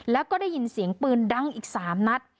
แล้วก็ได้ยินเสียงปืนดังอีก๓นัด